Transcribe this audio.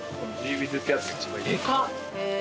でかっ。